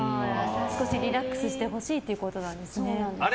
少しリラックスしてほしいってことなんですね。